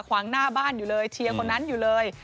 ขวางหน้าบ้านอยู่เลยเชียร์คนนั้นอยู่เลย